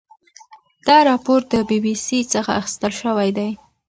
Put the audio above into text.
دا راپور د بي بي سي څخه اخیستل شوی دی.